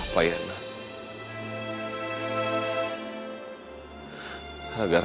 apa yang aku lakukan ini